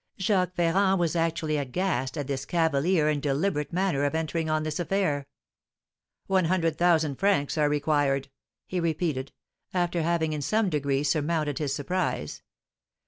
Jacques Ferrand was actually aghast at this cavalier and deliberate manner of entering on this affair. "One hundred thousand francs are required," he repeated, after having in some degree surmounted his surprise.